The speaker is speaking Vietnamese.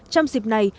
trong dịp này